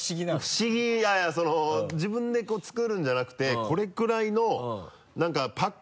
不思議いやいやその自分で作るんじゃなくてこれくらいのなんかパックみたいなの。